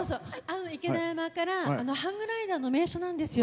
池田山からハングライダーの名所なんですよ。